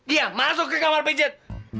iya masuk ke kamar bejet